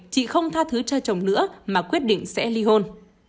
chị không tha thứ cho chồng nữa mà quyết định sẽ ly hôn